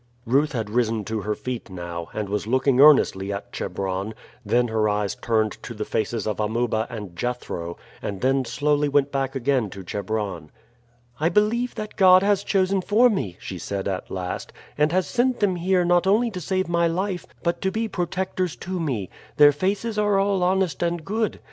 Ruth had risen to her feet now, and was looking earnestly at Chebron, then her eyes turned to the faces of Amuba and Jethro, and then slowly went back again to Chebron. "I believe that God has chosen for me," she said at last, "and has sent them here not only to save my life, but to be protectors to me; their faces are all honest and good.